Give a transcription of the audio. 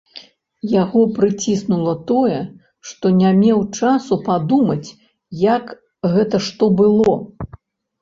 Яго прыціснула тое, што не меў часу падумаць, як гэта што было.